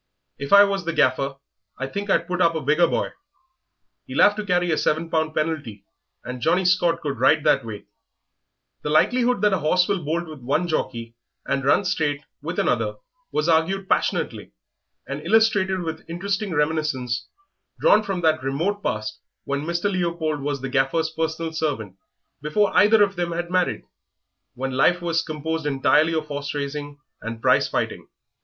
If I was the Gaffer I think I'd put up a bigger boy. He'll 'ave to carry a seven pound penalty, and Johnnie Scott could ride that weight." The likelihood that a horse will bolt with one jockey and run straight with another was argued passionately, and illustrated with interesting reminiscences drawn from that remote past when Mr. Leopold was the Gaffer's private servant before either of them had married when life was composed entirely of horse racing and prize fighting.